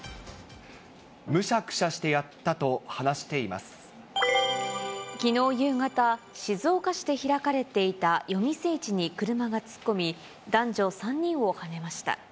むしゃくしゃしてやったと話してきのう夕方、静岡市で開かれていた夜店市に車が突っ込み、男女３人をはねました。